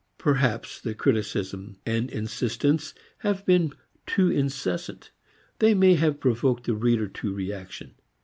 Perhaps the criticism and insistence have been too incessant. They may have provoked the reader to reaction.